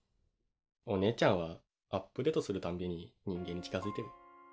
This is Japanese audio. お姉ちゃんはアップデートするたんびに人間に近づいてる。